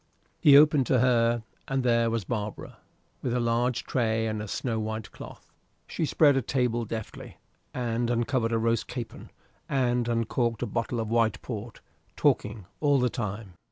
He opened to her, and there was Barbara with a large tray and a snow white cloth. She spread a table deftly, and uncovered a roast capon, and uncorked a bottle of white port, talking all the time.